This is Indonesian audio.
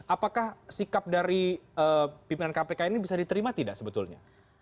apakah sikap dari pimpinan kpk ini bisa diterima tidak sebetulnya